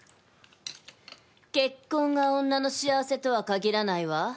結婚が女の幸せとは限らないわ。